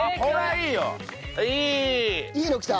いいのきた？